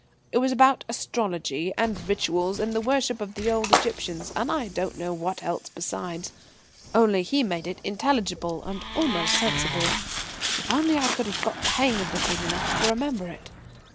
It was about astrology and rituals and the worship of the old Egyptians, and I don't know what else besides. Only, he made it intelligible and almost sensible, if only I could have got the hang of the thing enough to remember it.